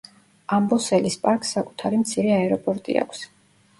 ამბოსელის პარკს საკუთარი მცირე აეროპორტი აქვს.